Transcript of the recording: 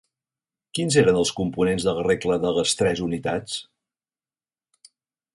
Quins eren els components de la regla de les «tres unitats»?